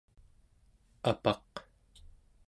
apaq